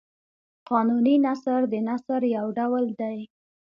قانوني نثر د نثر یو ډول دﺉ.